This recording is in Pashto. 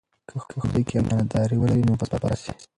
که ښوونځي کې امانتداري ولري، نو فساد به راسي.